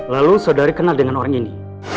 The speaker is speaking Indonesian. lalu saudari kenal dengan orang ini